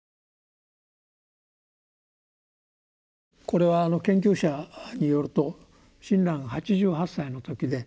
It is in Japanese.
これは研究者によると親鸞８８歳の時で。